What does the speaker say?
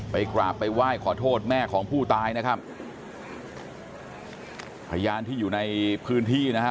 ไปกราบไปไหว้ขอโทษแม่ของผู้ตายนะครับพยานที่อยู่ในพื้นที่นะฮะ